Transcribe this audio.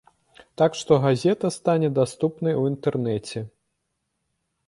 Так што газета стане даступнай у інтэрнэце.